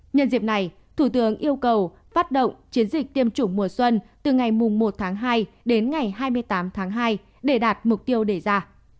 nhân dịp này thủ tướng yêu cầu phát động chiến dịch tiêm chủng mùa xuân từ ngày một tháng hai đến ngày hai mươi tám tháng hai để đạt mục tiêu đề ra